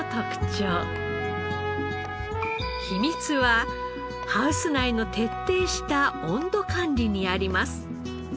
秘密はハウス内の徹底した温度管理にあります。